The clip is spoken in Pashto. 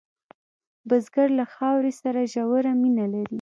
بزګر له خاورې سره ژوره مینه لري